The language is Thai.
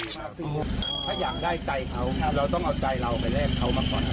ถ้าอยากได้ใจเขาเราต้องเอาใจเราไปแลกเขามาก่อน